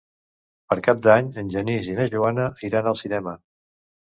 Per Cap d'Any en Genís i na Joana iran al cinema.